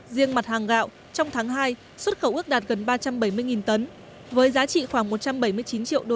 riêng mặt hàng gạo trong tháng hai xuất khẩu ước đạt gần ba trăm bảy mươi tấn với giá trị khoảng một trăm bảy mươi chín triệu usd